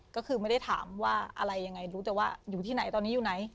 ก็คือไม่ได้ถามว่าอะไรยังไงรู้แต่ว่าอยู่ที่ไหนตอนนี้อยู่ไหน